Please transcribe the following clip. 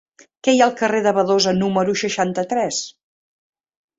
Què hi ha al carrer de Badosa número seixanta-tres?